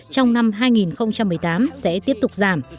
trong năm hai nghìn một mươi tám sẽ tiếp tục giảm